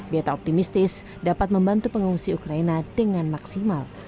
beta optimistis dapat membantu pengungsi ukraina dengan maksimal